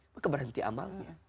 maka berhenti amalnya